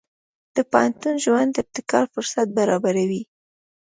د پوهنتون ژوند د ابتکار فرصت برابروي.